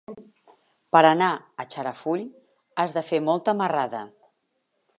Per anar a Xarafull has de fer molta marrada.